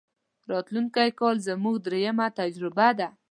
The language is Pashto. راتلونکی کال زموږ درېمه تجربه ده.